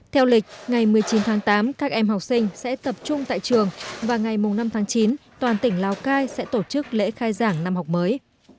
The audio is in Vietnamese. theo lịch ngày một mươi chín tháng tám các em học sinh sẽ tập trung tại trường và ngày năm tháng chín toàn tỉnh lào cai sẽ tổ chức lễ khai giảng năm học mới